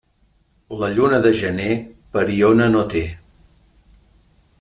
La lluna de gener, pariona no té.